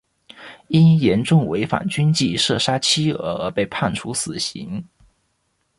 因严重违反军纪射杀妻儿而被判处死刑。